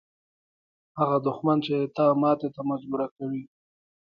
هغه دښمن چې تا ماتې ته مجبوره کوي.